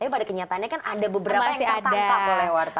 tapi pada kenyataannya kan ada beberapa yang tertangkap oleh wartawan